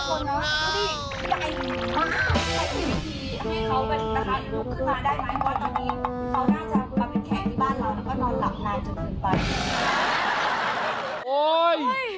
โอ้ยวัยรุ่น